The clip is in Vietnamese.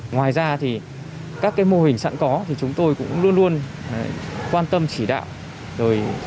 ngoài ra các mô hình sẵn có chúng tôi cũng luôn quan tâm chỉ đạo